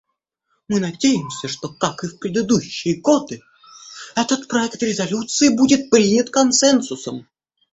Мы надеемся, что, как и в предыдущие годы, этот проект резолюции будет принят консенсусом.